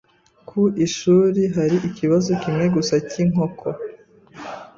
Ku ishuri hari ikibazo kimwe gusa cy’inkoko.